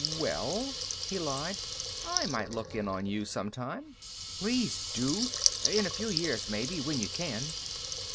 "Well," he lied, "I might look in on you sometime." "Please do! In a few years, maybe, when you can."